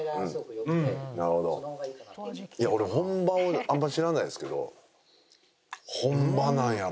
いや俺本場をあまり知らないですけど。